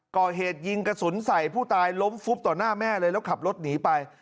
ก่อเหตุยิงกระสุนใส่ผู้ตายล้มฟุบต่อหน้าแม่เลยแล้วขับรถหนีไป